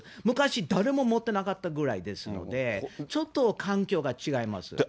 昔、誰も持ってなかったぐらいですので、ちょっと環境が違います。